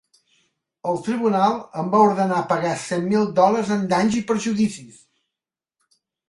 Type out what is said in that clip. El tribunal em va ordenar pagar cent mil dòlars en danys i perjudicis.